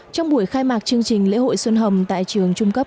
thông qua các canh tuyên truyền có thể thu hút được các đối tượng nhân dân